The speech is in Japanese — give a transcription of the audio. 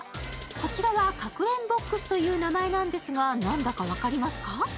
こちらはかくれんボックスという名前なんですが、何だか分かりますか？